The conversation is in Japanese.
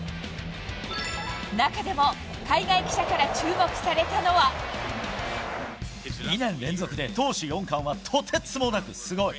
中でも、海外記者から注目された２年連続で投手４冠はとてつもなくすごい。